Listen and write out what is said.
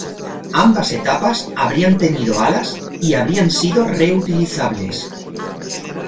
Ambas etapas habrían tenido alas y habrían sido reutilizables.